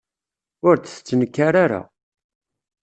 Ur d-tettnekkar ara.